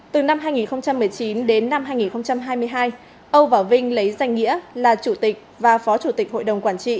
từ năm hai nghìn một mươi chín đến năm hai nghìn hai mươi hai âu và vinh lấy danh nghĩa là chủ tịch và phó chủ tịch hội đồng quản trị